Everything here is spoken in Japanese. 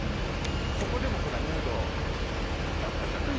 そこでもほらヌードだったじゃない。